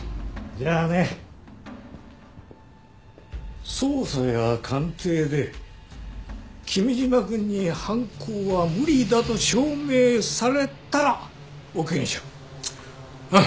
じゃあね捜査や鑑定で君嶋くんに犯行は無理だと証明されたらオーケーにしよう。